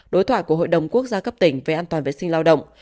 đối thoại của hội đồng quốc gia cấp tỉnh về an toàn vệ sinh lao động